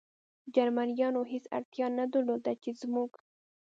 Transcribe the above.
جرمنیانو هېڅ اړتیا نه درلوده، چې زموږ.